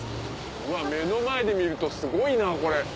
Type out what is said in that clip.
うわっ目の前で見るとすごいなこれ。